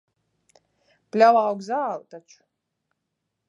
Pļavā aug zāle taču.